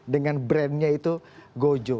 dengan brandnya itu gojo